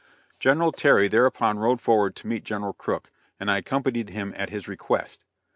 General Terry thereupon rode forward to meet General Crook, and I accompanied him at his request.